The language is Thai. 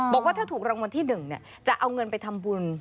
บอกว่าถ้าถูกรางวัลที่๑จะเอาเงินไปทำบุญ